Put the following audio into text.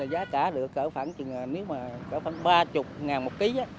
giá trả được khoảng ba mươi một ký